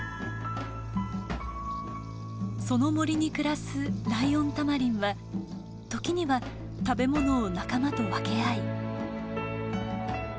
その森に暮らすライオンタマリンは時には食べ物を仲間と分け合い。